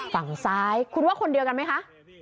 ฝั่งซ้ายคุณว่าคนเดียวกันไหมคะ